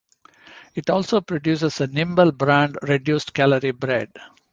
It also produces the Nimble brand reduced-calorie bread.